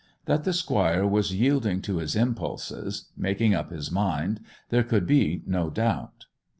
That the squire was yielding to his impulses—making up his mind—there could be no doubt.